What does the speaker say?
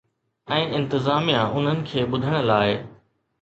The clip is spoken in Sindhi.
۽ انتظاميا انهن کي ٻڌڻ لاء؟